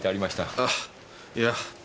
ああいや。